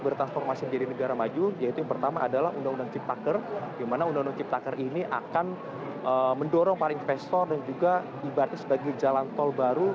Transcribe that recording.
dimana undang undang ciptaker ini akan mendorong para investor dan juga dibati sebagai jalan tol baru